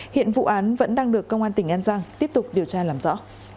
hiện vụ án vẫn đang được công an tỉnh an giang tiếp tục điều tra làm rõ